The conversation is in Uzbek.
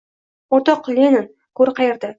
Unda, o‘rtoq Leninni... go‘ri qaerda?